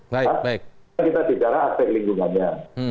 kita bicara aspek lingkungannya